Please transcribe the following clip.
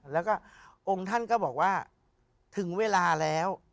แล้วก็องค์ท่านก็บอกว่าถึงเวลาแล้ว